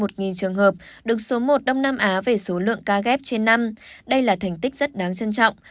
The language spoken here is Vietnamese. trường hợp đứng số một đông nam á về số lượng ca kép trên năm đây là thành tích rất đáng trân trọng